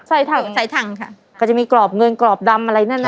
ใส่ถังใส่ถังค่ะก็จะมีกรอบเงินกรอบดำอะไรนั่น